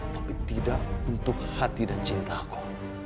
tapi tidak untuk hati dan cinta aku